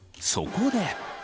そこで。